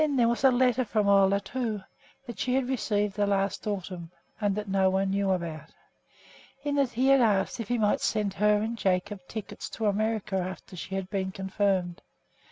There was a letter from Ole, too, that she had received the last autumn, and that no one knew about. In it he had asked if he might send her and Jacob tickets to America after she had been confirmed.